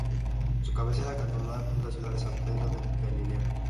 Su cabecera cantonal es la ciudad de San Pedro de Pelileo.